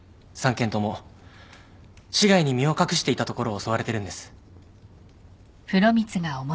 ３件とも市外に身を隠していたところを襲われてるんです。